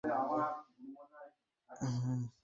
একজন সহযোগী লাগবে।